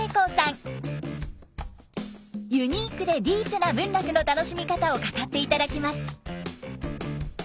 ユニークでディープな文楽の楽しみ方を語っていただきます。